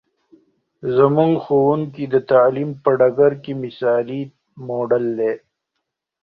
زموږ ښوونکې د تعلیم په بطور مثالي موډل دی.